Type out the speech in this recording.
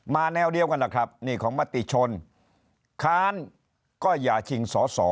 แนวเดียวกันนะครับนี่ของมติชนค้านก็อย่าชิงสอสอ